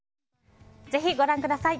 ぜひご覧ください。